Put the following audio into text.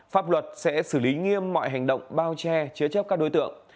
pháp luật sẽ xử lý nghiêm mọi hành động bao che chứa chấp các đối tượng